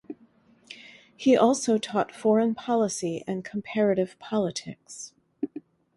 He also taught foreign policy and comparative politics.